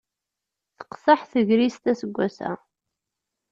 Teqṣeḥ tegrist assegas-a.